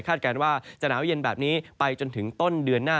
การว่าจะหนาวเย็นแบบนี้ไปจนถึงต้นเดือนหน้า